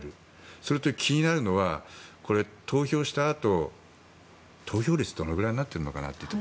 それと気になるのは投票したあと、投票率がどのくらいになっているのかなと。